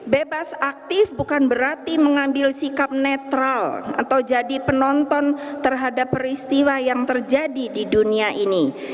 bebas aktif bukan berarti mengambil sikap netral atau jadi penonton terhadap peristiwa yang terjadi di dunia ini